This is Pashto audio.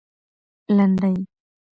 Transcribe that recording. لنډۍ